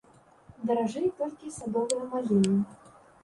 Даражэй толькі садовыя маліны.